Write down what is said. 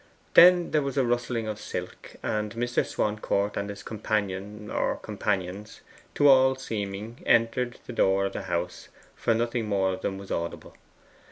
Then there was a rustling of silk, and Mr. Swancourt and his companion, or companions, to all seeming entered the door of the house, for nothing more of them was audible.